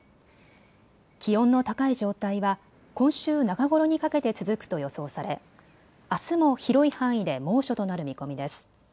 気温の高い状態は今週中頃にかけて続くと予想されあすも広い範囲で猛暑となる見込みです。